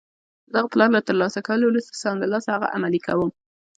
د دغه پلان له ترلاسه کولو وروسته سم له لاسه هغه عملي کوم.